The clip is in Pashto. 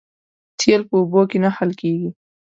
تیل په اوبو کې نه حل کېږي